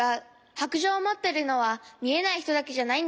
白杖をもってるのはみえないひとだけじゃないんだよ。